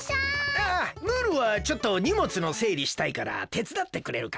ああムールはちょっとにもつのせいりしたいからてつだってくれるか？